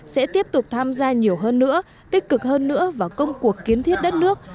sẽ tiếp tục tham gia nhiều hơn nữa tích cực hơn nữa vào công cuộc kiến thiết đất nước